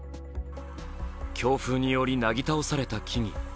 強風によりなぎ倒された木々。